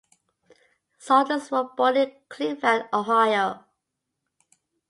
Saunders was born in Cleveland, Ohio.